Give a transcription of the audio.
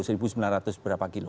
seribu sembilan ratus berapa kilo